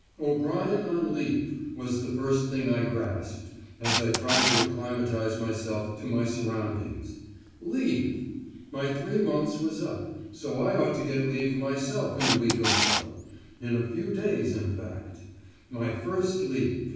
"O'Brien on leave" was the first thing I grasped, as I tried to acclimatise myself to my surroundings. Leave! My three months was up, so I ought to get leave myself in a week or so; in a few days in fact. My first leave!